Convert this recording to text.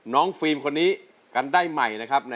น้องฟีมคนนี้กำได้ใหม่นะครับ